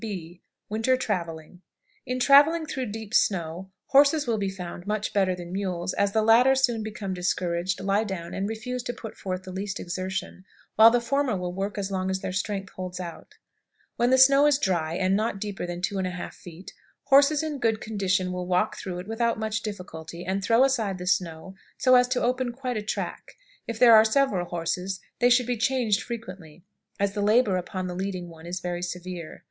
B. Winter Traveling. In traveling through deep snow, horses will be found much better than mules, as the latter soon become discouraged, lie down, and refuse to put forth the least exertion, while the former will work as long as their strength holds out. When the snow is dry, and not deeper than 2 1/2 feet, horses in good condition, will walk through it without much difficulty, and throw aside the snow so as to open quite a track. If there are several horses they should be changed frequently, as the labor upon the leading one is very severe.